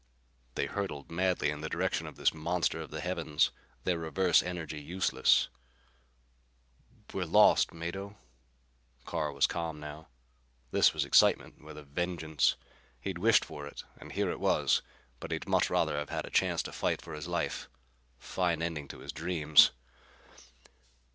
They hurtled madly in the direction of this monster of the heavens, their reverse energy useless. "We're lost, Mado." Carr was calm now. This was excitement with a vengeance. He'd wished for it and here it was. But he'd much rather have a chance to fight for his life. Fine ending to his dreams!